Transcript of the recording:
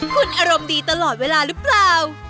คุณอารมณ์ดีตลอดเวลาหรือเปล่า